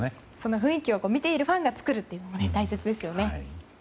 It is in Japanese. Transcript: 雰囲気を見ているファンが作ることも大切ですよね。